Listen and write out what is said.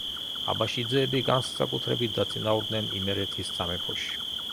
აბაშიძეები განსაკუთრებით დაწინაურდნენ იმერეთის სამეფოში.